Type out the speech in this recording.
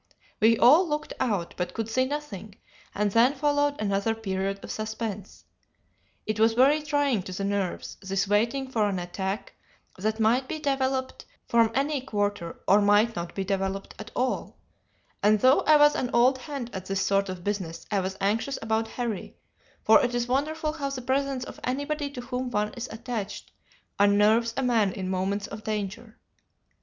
We all looked out, but could see nothing; and then followed another period of suspense. It was very trying to the nerves, this waiting for an attack that might be developed from any quarter or might not be developed at all; and though I was an old hand at this sort of business I was anxious about Harry, for it is wonderful how the presence of anybody to whom one is attached unnerves a man in moments of danger.